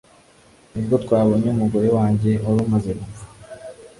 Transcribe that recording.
nibwo twabonye umugore wanjye wari wamaze gupfa